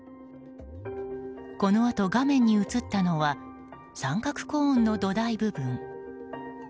このあと、画面に映ったのは三角コーンの土台部分。